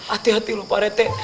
hati hati loh pak rt